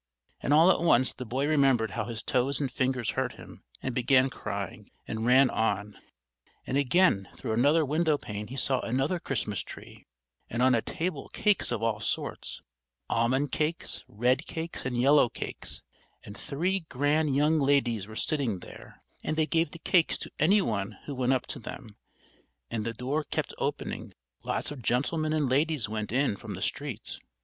And all at once the boy remembered how his toes and fingers hurt him, and began crying, and ran on; and again through another window pane he saw another Christmas tree, and on a table cakes of all sorts almond cakes, red cakes and yellow cakes, and three grand young ladies were sitting there, and they gave the cakes to any one who went up to them, and the door kept opening, lots of gentlemen and ladies went in from the street.